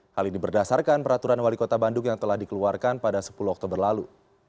hal ini berdasarkan peraturan wali kota bandung yang telah dikeluarkan pada sepuluh oktober lalu